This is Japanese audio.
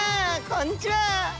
こんにちは。